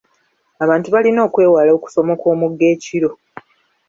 Abantu balina okwewala okusomoka omugga ekiro.